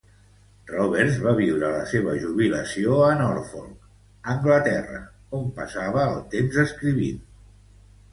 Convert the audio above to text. Roberts va viure la seva jubilació a Norfolk, Anglaterra, on passava el temps escrivint.